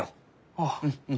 ああ。